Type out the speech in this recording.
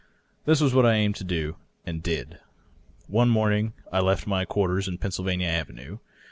This was what I aimed to do, and did. One morning T left; my quarters in Pennsylvania Avenue.